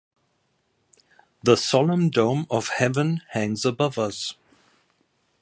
The solemn dome of heaven hangs above us.